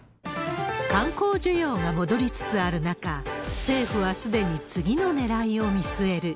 観光需要が戻りつつある中、政府はすでに次のねらいを見据える。